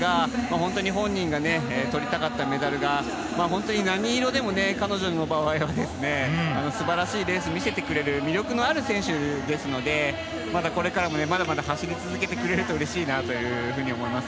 本当に本人がとりたかったメダルが何色でも彼女の場合は素晴らしいレースを見せてくれる魅力のある選手ですのでこれからもまだまだ走り続けてくれるとうれしいなというふうに思います。